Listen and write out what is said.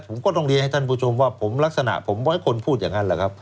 ผมก็ต้องเรียนให้ท่านผู้ชมว่าผมลักษณะผมไว้คนพูดอย่างนั้นแหละครับ